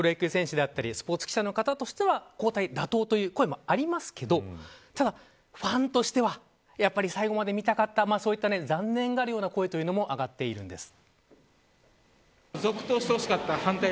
やはり元プロ野球選手だったりスポーツ記者としては交代は妥当という声もありますけどただ、ファンとしてはやはり最後まで見たかったそういった残念がる声も上がっているんです。